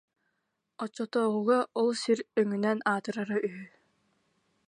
Оччотооҕуга ол сир өҥүнэн аатырара үһү